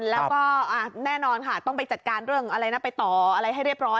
แล้วก็แน่นอนค่ะต้องไปจัดการเรื่องอะไรนะไปต่ออะไรให้เรียบร้อย